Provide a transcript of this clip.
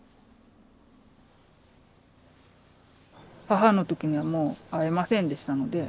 母の時にはもう会えませんでしたので。